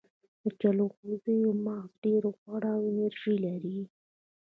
د جلغوزیو مغز ډیر غوړ او انرژي لري.